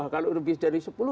kalau lebih dari sepuluh